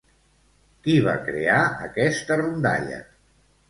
Qui va crear aquesta rondalla?